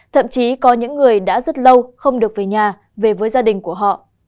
thậm chí có những người đã rất lâu không được về nhà về với gia đình của họ